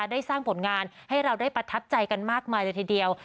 ได้สร้างผลงานให้เราได้ประทับใจกันมากมายเลยทีเดียว